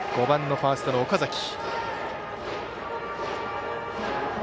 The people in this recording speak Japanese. ５番のファーストの岡崎。